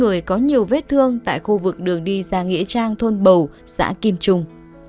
nguyễn huy hoàng đã bị nhiều vết thương tại khu vực đường đi xa nghĩa trang thôn bầu xã kim trung